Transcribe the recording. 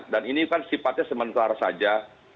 dan ini kan sifatnya sementara saja